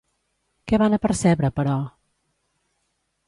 Què van apercebre, però?